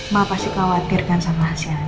ma pasti khawatirkan sama hasilnya